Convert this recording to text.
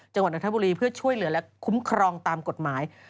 จังหวัดนทบุรีเพื่อช่วยเหลือและคุ้มครองตามกฎหมาย